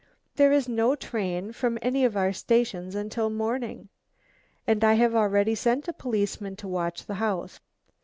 There is no train from any of our stations until morning. And I have already sent a policeman to watch the house.